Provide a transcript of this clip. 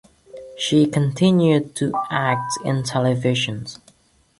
She continued to act in television.